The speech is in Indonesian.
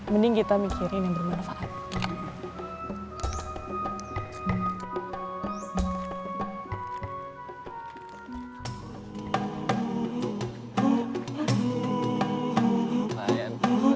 mending kita mikirin yang bermanfaat